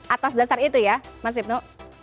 atas dasar itu ya mas ibnu